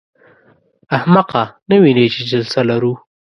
احمقه! نه وینې چې جلسه لرو.